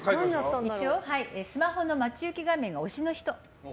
スマホの待ち受け画面が推しの人。